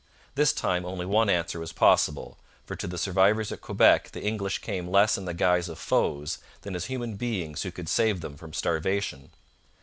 This time only one answer was possible, for to the survivors at Quebec the English came less in the guise of foes than as human beings who could save them from starvation.